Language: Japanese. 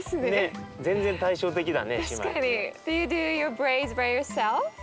全然対照的だね姉妹で。